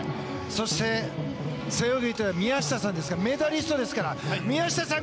そして背泳ぎといえば宮下さんですからメダリストですから宮下さん